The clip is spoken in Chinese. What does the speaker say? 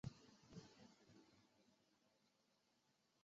这原理可以帮助分析正在运动中的某连杆所感受到的作用力。